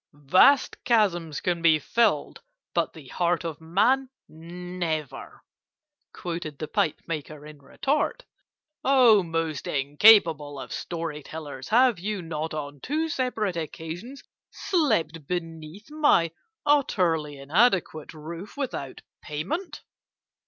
"Vast chasms can be filled, but the heart of man never," quoted the pipe maker in retort. "Oh, most incapable of story tellers, have you not on two separate occasions slept beneath my utterly inadequate roof without payment?"